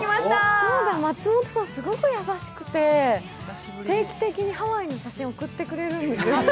そうだ、松本さん、すごく優しくて、定期的にハワイの写真送ってくれるんですよ。